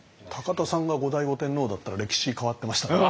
田さんが後醍醐天皇だったら歴史変わってましたね。